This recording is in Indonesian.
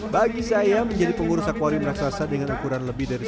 bagi saya menjadi pengurus akwaryu meraksasa dengan ukuran lebih dari sembilan ratus